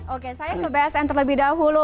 oke saya ke bsn terlebih dahulu